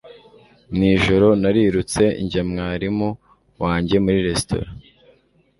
nijoro narirutse njya mwarimu wanjye muri resitora